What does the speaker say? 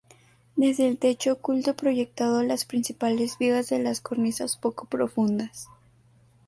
Desde el techo oculto proyectado las principales vigas de las cornisas poco profundas.